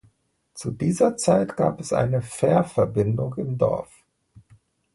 Zu dieser Zeit gab es eine Fährverbindung im Dorf.